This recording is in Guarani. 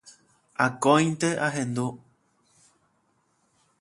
Akóinte ahendu